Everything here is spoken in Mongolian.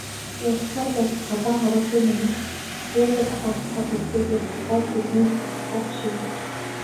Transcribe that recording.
Ярилцсаар байтал гадаа харанхуй нөмөрч, буудал хайх цаг үлдээгүй болохоор эднийд буухаар шийдэв.